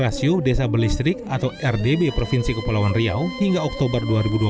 rasio desa berlistrik atau rdb provinsi kepulauan riau hingga oktober dua ribu dua puluh